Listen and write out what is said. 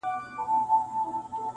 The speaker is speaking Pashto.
نیکه جانه د جانان غمو خراب کړم-